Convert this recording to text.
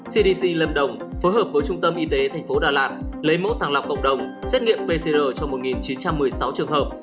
cdc lâm đồng phối hợp với trung tâm y tế tp đà lạt lấy mẫu sàng lọc cộng đồng xét nghiệm pcr cho một chín trăm một mươi sáu trường hợp